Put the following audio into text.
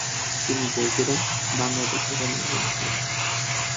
তিনি বগুড়া, বাংলাদেশে জন্মগ্রহণ করেন।